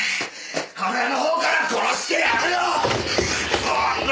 俺のほうから殺してやるよ！